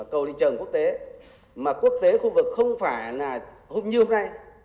cầu lĩnh trường quốc tế mà quốc tế khu vực không phải là hôm như hôm nay